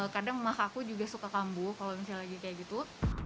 kadang maka aku juga suka kambuh kalau misalnya lagi kayak gitu